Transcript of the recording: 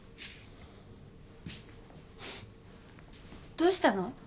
どうしたの？